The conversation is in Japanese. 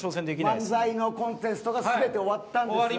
漫才のコンテストが全部終わったんですよね。